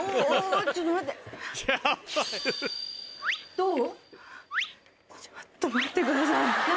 どう？